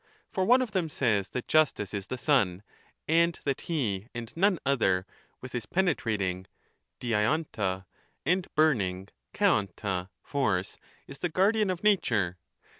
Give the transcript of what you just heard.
For one of them says that justice is the sun, and that he and none other, with his penetrating [diaiovra) and burning {Kaovra) force, is the guardian of nature.